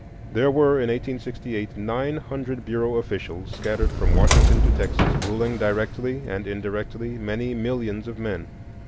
There were, in 1868, nine hundred Bureau officials scattered from Washington to Texas, ruling, directly and indirectly, many millions of men.